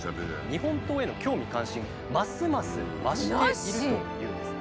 日本刀への興味関心ますます増しているというんです。